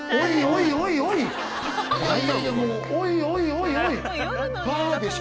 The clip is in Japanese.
おいおいおいおい。